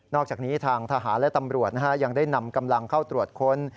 อกจากนี้ทางทหารและตำรวจยังได้นำกำลังเข้าตรวจค้น